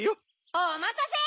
おまたせ！